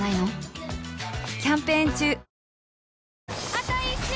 あと１周！